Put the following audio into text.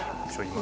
今。